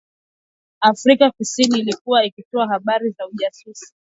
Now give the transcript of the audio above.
Afrika kusini ilikuwa ikitoa habari za ujasusi